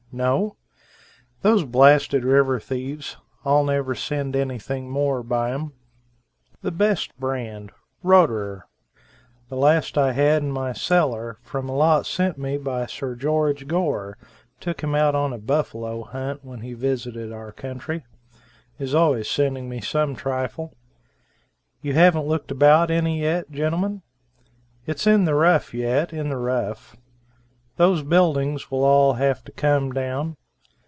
No? Those blasted river thieves! I'll never send anything more by 'em. The best brand, Roederer. The last I had in my cellar, from a lot sent me by Sir George Gore took him out on a buffalo hunt, when he visited our country. Is always sending me some trifle. You haven't looked about any yet, gentlemen? It's in the rough yet, in the rough. Those buildings will all have to come down.